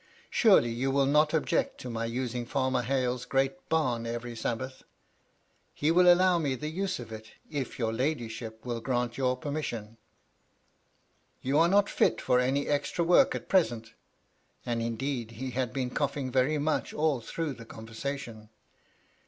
Surely, you will not object to my using Farmer Hale's great bam every Sabbath ? He will allow me the use of it, if your ladyship will grant your permission." "You are not fit for any extra work at present," (and indeed he had been coughing very much all through the conversation).